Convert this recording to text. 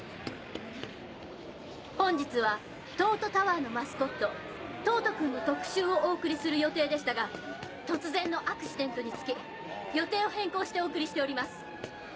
本日は東都タワーのマスコットトートくんの特集をお送りする予定でしたが突然のアクシデントにつき予定を変更してお送りしております。